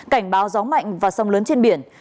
cảnh báo gió mạnh và sóng lớn trên biển